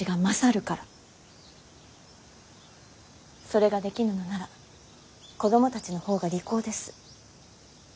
それができぬのなら子供たちの方が利口です。